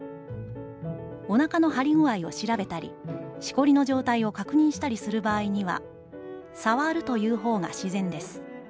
お腹の張り具合を調べたり、しこりの状態を確認したりする場合には、『さわる』という方が自然です。